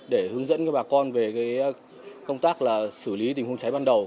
để hướng dẫn cho bà con về công tác là xử lý tình huống cháy ban đầu